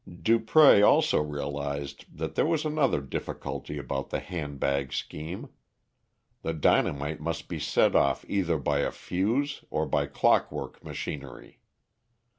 Dupré also realised that there was another difficulty about the handbag scheme. The dynamite must be set off either by a fuse or by clockwork machinery.